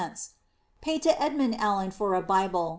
Paid to Edmund Allen for a Bible.